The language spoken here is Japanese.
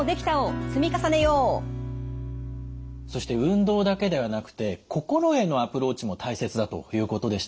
そして運動だけではなくて心へのアプローチも大切だということでしたよね？